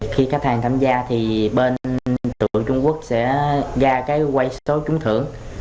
khi khách hàng tham gia thì bên người trung quốc sẽ ra cái quay số trúng thưởng